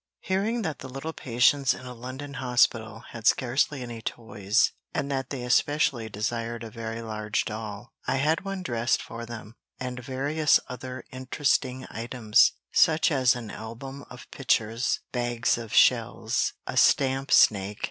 Hearing that the little patients in a London hospital had scarcely any toys, and that they especially desired a very large doll, I had one dressed for them, and various other interesting items, such as an album of pictures, bags of shells, a stamp snake, &c.